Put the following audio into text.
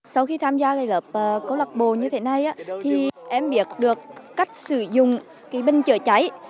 sau khi tham gia cài lập cơ lạc bồ như thế này em biết được cách sử dụng bình trựa cháy